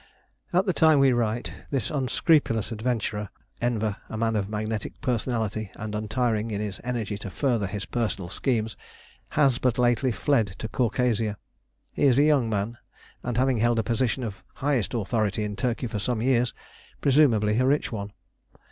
At the time we write this unscrupulous adventurer, Enver a man of magnetic personality and untiring in his energy to further his personal schemes has but lately fled to Caucasia. He is a young man, and having held a position of highest authority in Turkey for some years, presumably a rich one.